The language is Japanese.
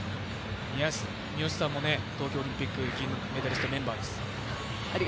三好さんも東京オリンピック銀メダリストメンバーです。